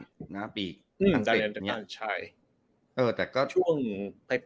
ช่วงปลายก็ไม่ได้หูหวาเท่าตอนนี้